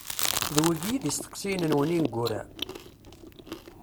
D wigi i d isteqsiyen-nwen ineggura?